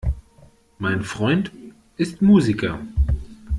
Mein Freund ist Musiker.